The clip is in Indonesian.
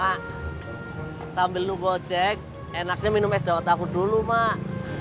mak sambil nunggu ojek enaknya minum es daun aku dulu mak